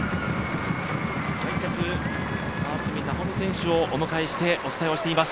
解説、川澄奈穂美選手を迎えてお伝えしております。